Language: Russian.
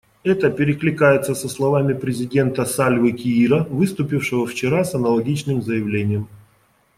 Это перекликается со словами президента Сальвы Киира, выступившего вчера с аналогичным заявлением.